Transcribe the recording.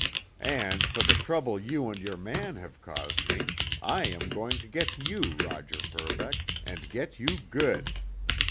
And, for the trouble you and your man have caused me, I am going to get you, Roger Verbeck, and get you good!